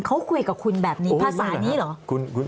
เขาคุยกับคุณแบบนี้ภาษานี้เหรอ